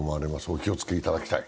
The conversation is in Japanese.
お気をつけいただきたい。